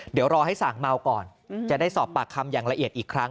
เดี๋ยวรอให้สั่งเมาก่อนจะได้สอบปากคำอย่างละเอียดอีกครั้ง